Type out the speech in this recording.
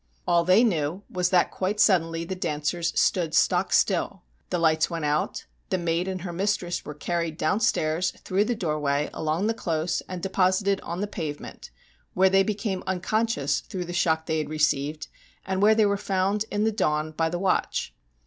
All they knew was that quite suddenly the dancers stood stock still. The lights went out, the maid and her mistress were carried downstairs, through the doorway, along the close, and deposited on the pavement, where they became unconscious through the shock they had received, and where they were found in the dawn by the watch.